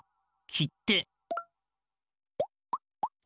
きって？